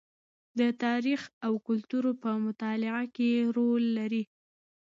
د تاریخ او کلتور په مطالعه کې رول لري.